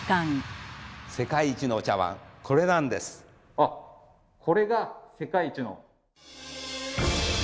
あっこれが世界一の！